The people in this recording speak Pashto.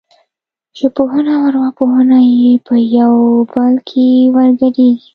ژبپوهنه او ارواپوهنه په یو بل کې ورګډېږي